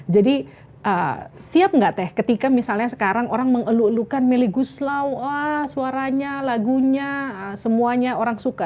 jadi siap nggak teh ketika misalnya sekarang orang mengeluk elukan mili guslau suaranya lagunya semuanya orang suka